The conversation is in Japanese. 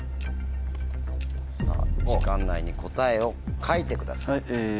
さぁ時間内に答えを書いてください。